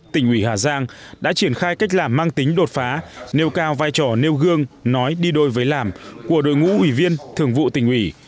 tỉnh ủy hà giang đã triển khai cách làm mang tính đột phá nêu cao vai trò nêu gương nói đi đôi với làm của đội ngũ ủy viên thường vụ tỉnh ủy